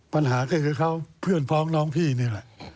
ปัญหาก็คือเขาเพื่อนพ้องน้องพี่นี่แหละ